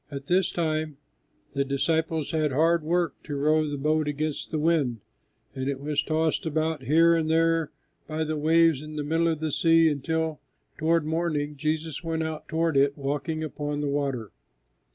At this time the disciples had hard work to row the boat against the wind, and it was tossed about here and there by the waves in the middle of the sea until, toward morning, Jesus went out toward it, walking upon the water.